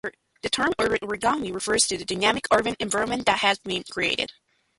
The term urban origami refers to the dynamic urban environment that has been created.